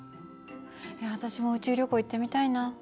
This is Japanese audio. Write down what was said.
私も宇宙旅行行ってみたいな。